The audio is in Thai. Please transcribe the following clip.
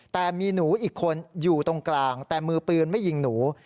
แต่มีหนูอีกคนอยู่ตรงกลางแต่มือปืนไม่ยิงหนู